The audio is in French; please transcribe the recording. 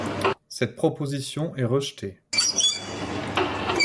Cette proposition est rejetée.